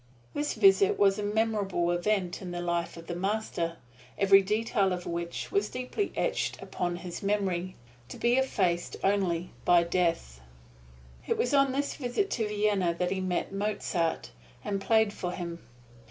This visit was a memorable event in the life of the Master, every detail of which was deeply etched upon his memory, to be effaced only by death. It was on this visit to Vienna that he met Mozart, and played for him.